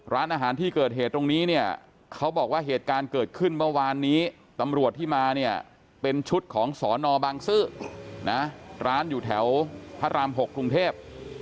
ร้านอาหารที่เกิดเหตุตรงนี้เนี่ยเขาบอกว่าเหตุการณ์เกิดขึ้นเมื่อวานนี้ตำรวจที่มาเนี่ยเป็นชุดของสอนอบังซื้อนะร้านอยู่แถวพระราม๖กรุงเทพ